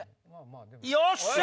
よっしゃ！